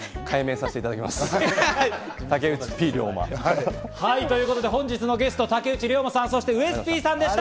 改名させていただきます、ということで、本日のゲスト、竹内涼真さん、ウエスＰさんでした！